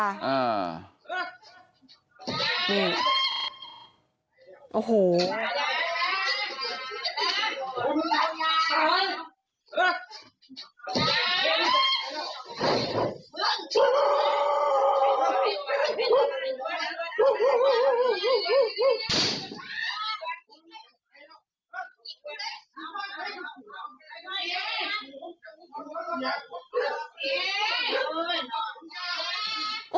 อ่าโอ้โห